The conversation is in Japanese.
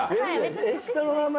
下の名前。